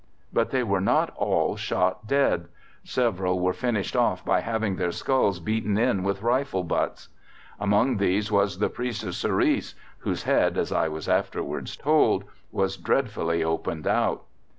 But they were not all shot dead; several were finished off by having their skulls beaten in with rifle butts. Among these was the priest of Surice, whose head (as I was afterwards told) was dreadfully opened out.